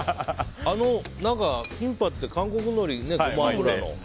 キンパって韓国のりで巻くのが。